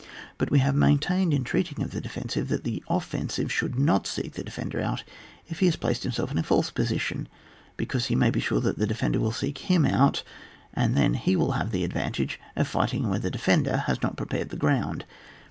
But we have maintained (in treating of the defensive) that the offensive should not seek tlie defender out if he has placed himself in a false position, because he may be sure that the defender will seek hi/n out, and then he will have the advantage of fight ing where the defender has not pre pared the ground.